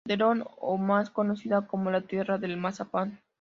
Calderón o más conocida como la tierra del mazapán.